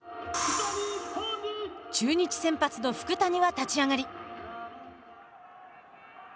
中日先発の福谷は立ち上がり。